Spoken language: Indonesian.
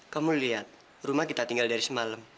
kamu lihat rumah kita tinggal dari semalam